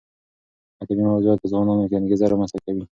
ادبي موضوعات په ځوانانو کې انګېزه رامنځته کوي.